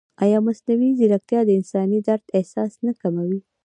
ایا مصنوعي ځیرکتیا د انساني درد احساس نه کوي؟